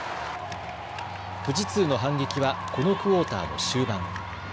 富士通の反撃はこのクオーターの終盤。